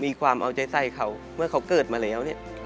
ความเอาใจใส่เขาเมื่อเขาเกิดมาแล้วเนี่ย